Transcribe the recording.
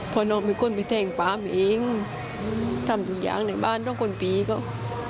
พอนอนมีคนไปแทงป๊ามเองทำอย่างในบ้านต้องคนปีเขา